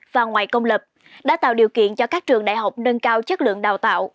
và ngoài công lập đã tạo điều kiện cho các trường đại học nâng cao chất lượng đào tạo